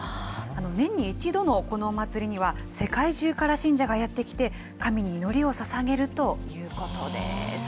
年に１度のこのお祭りには、世界中から信者がやって来て、神に祈りをささげるということです。